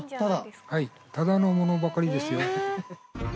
はいタダのものばかりですよ。